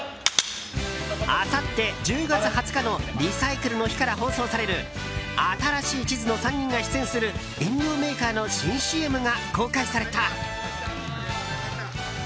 あさって、１０月２０日のリサイクルの日から放送される新しい地図の３人が出演する飲料メーカーの新ＣＭが公開された。